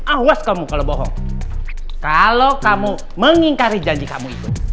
awas kamu kalau bohong kalau kamu mengingkari janji kamu itu